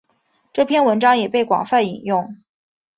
这篇文章也被广泛引用。